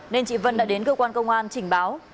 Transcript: nên chị vân đã đến cơ quan công an trình báo